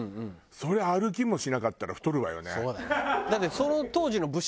そりゃ歩きもしなかったら太るわよね。